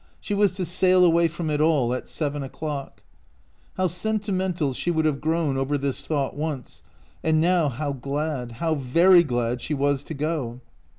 She was to sail away from it all at seven o'clock. How senti mental she would have grown over this thought once, and now how glad, how very glad, she was to go.